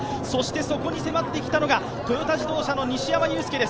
そこに迫ってきたのがトヨタ自動車の西山雄介です。